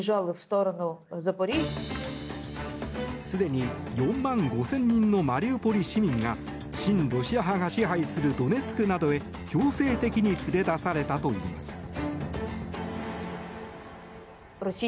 すでに４万５０００人のマリウポリ市民が親ロシア派が支配するドネツクなどへ強制的に連れ出されたといいます。